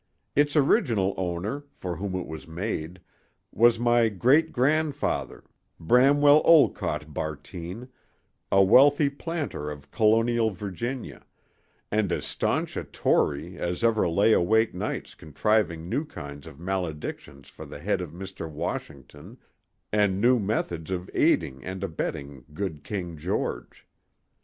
Its original owner, for whom it was made, was my great grandfather, Bramwell Olcott Bartine, a wealthy planter of Colonial Virginia, and as stanch a Tory as ever lay awake nights contriving new kinds of maledictions for the head of Mr. Washington, and new methods of aiding and abetting good King George.